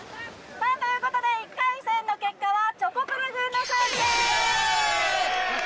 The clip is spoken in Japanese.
さあということで１回戦の結果はチョコプラ軍の勝利です